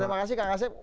terima kasih kak kasem